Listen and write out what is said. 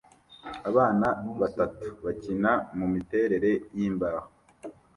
Abana batatu bakina mumiterere yimbaho